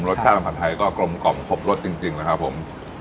รสชาติผัดไทยก็กลมกล่อมครบรสจริงนะครับผม